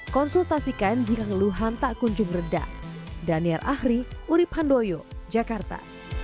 konsultasikan jika keluhan tak kunjung reda